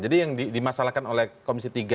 jadi yang dimasalahkan oleh komisi tiga itu